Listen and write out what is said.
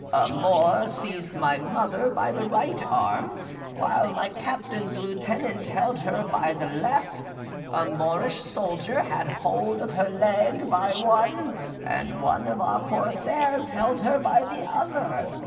A Moor seized my mother by the right arm, while my captain's lieutenant held her by the left; a Moorish soldier had hold of her by one leg, and one of our corsairs held her by the other.